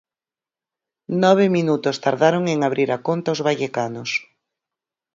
Nove minutos tardaron en abrir a conta os vallecanos.